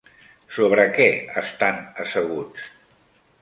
Sobre què estan asseguts?